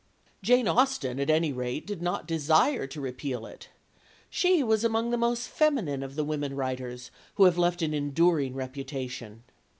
Jane Austen, at any rate, did not desire to repeal it. She was among the most feminine of the women writers who have left an enduring reputation.